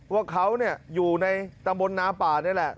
ว่าเขาอยู่ในตำบลนาป่านี่แหละ